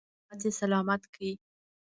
سلامت یې سلامت کړ.